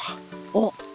おっ！